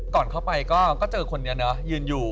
ก่อนเข้าไปก็เจอคนนี้เนอะยืนอยู่